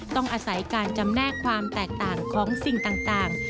ต้องอาศัยการจำแนกความแตกต่างของสิ่งต่าง